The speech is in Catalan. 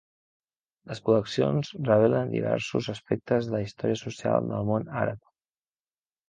Les col·leccions revelen diversos aspectes de la història social del món àrab.